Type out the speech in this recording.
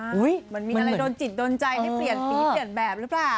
มันมีอะไรโดนจิตโดนใจให้เปลี่ยนสีเปลี่ยนแบบหรือเปล่า